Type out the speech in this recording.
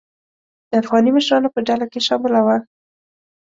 د افغاني مشرانو په ډله کې شامله وه.